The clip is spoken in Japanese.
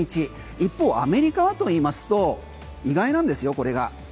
一方アメリカはといいますと意外なんですよ、これが。